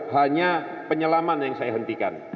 hanya penyelaman yang saya hentikan